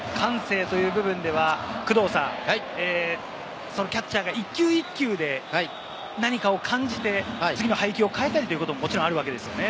感性という部分では工藤さん、キャッチャーが一球一球で何かを感じて次の配球を変えたりということもあるわけですね。